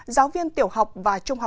giáo viên tiểu học và trung cấp